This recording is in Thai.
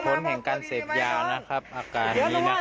เป็นผลแห่งการเสพยานะครับอาการดีนะครับ